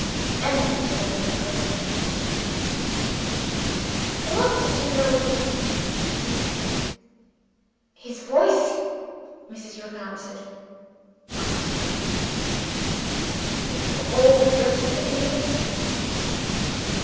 Emily turned cold from head to foot. "What did you know again?" she said. "His voice," Mrs. Rook answered. "I'll swear to his voice before all the judges in England."